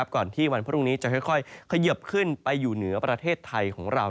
ก่อนที่วันพรุ่งนี้จะค่อยเขยิบขึ้นไปอยู่เหนือประเทศไทยของเรา